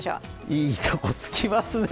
いいとこ、つきますね。